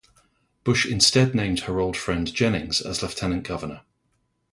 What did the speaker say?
Bush instead named her old friend Jennings as lieutenant governor.